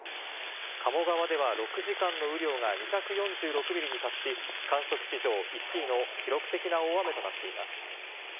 鴨川では６時間の雨量が２４６ミリに達し、観測史上１位の記録的な大雨となっています。